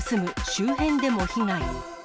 周辺でも被害。